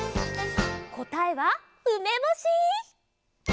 こたえはうめぼし！